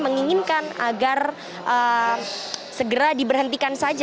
menginginkan agar segera diberhentikan saja